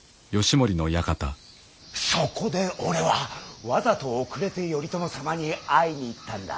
そこで俺はわざと遅れて頼朝様に会いに行ったんだ。